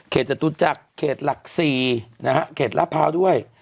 เขตจตุจักรเขตหลักศรีนะครับเขตละพร้าวด้วย